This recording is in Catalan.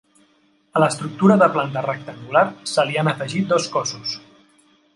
A l'estructura de planta rectangular se li han afegit dos cossos.